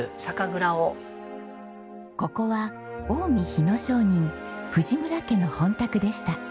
ここは近江日野商人藤村家の本宅でした。